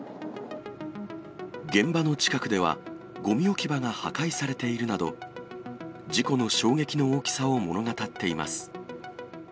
現場の近くでは、ごみ置き場が破壊されているなど、事故の衝撃の大きさを物語っています。